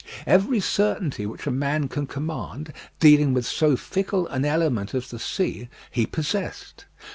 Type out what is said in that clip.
Every certainty which a man can command, dealing with so fickle an element as the sea, he possessed.